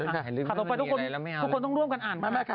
ข่าวต่อไปทุกคนต้องร่วมกันอ่านมากค่ะ